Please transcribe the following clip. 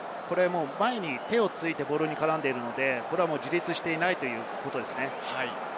前に手をついてボールに絡んでいるので自立していないということですね。